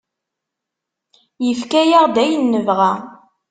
Yefka-aɣ-d ayen nebɣa.